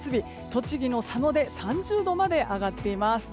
栃木の佐野で３０度まで上がっています。